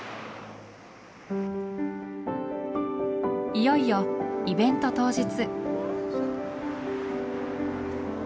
いよいよイベント当日。